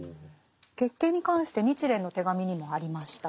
月経に関して「日蓮の手紙」にもありました。